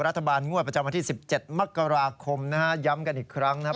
รัฐบาลง่วดประจำวันที่สิบเจ็ดมกราคมนะฮะย้ำกันอีกครั้งนะฮะ